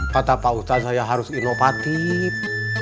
kata pak ustadz saya harus inovatif